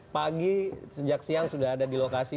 pagi sejak siang sudah ada di lokasi